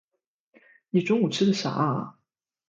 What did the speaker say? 你中午吃的啥啊？